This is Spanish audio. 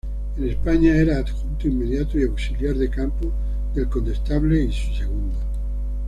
En España era adjunto inmediato y auxiliar de campo del Condestable y su segundo.